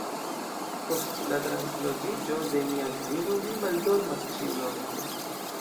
Post la transloĝiĝo de mia edzino mi maldormas ĉiunokte.